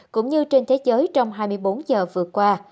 cũng như trên thế giới trong hai mươi bốn giờ vừa qua